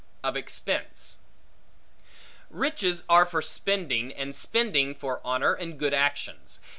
Of Expense RICHES are for spending, and spending for honor and good actions.